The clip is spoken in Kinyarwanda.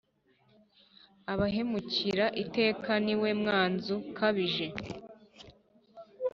abahemukira iteka : ni we mwanz' ukabije.